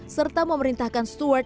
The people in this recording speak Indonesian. serta memerintahkan steward